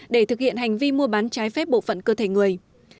để thực hiện hành vi mua bán trái phép bộ phận cơ thể người